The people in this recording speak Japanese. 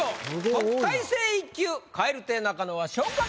特待生１級蛙亭中野は。